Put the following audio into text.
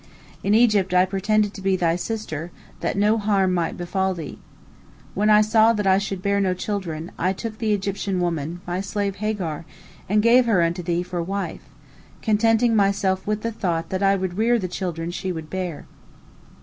In Egypt I pretended to be thy sister, that no harm might befall thee. When I saw that I should bear no children, I took the Egyptian woman, my slave Hagar, and gave her unto thee for wife, contenting myself with the thought that I would rear the children she would bear.